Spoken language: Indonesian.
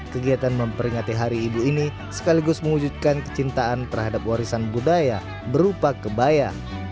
kegiatan memperingati hari ibu ini sekaligus mewujudkan kecintaan terhadap warisan budaya berupa kebaya